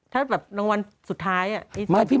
ถ้างวัลสุดท้าย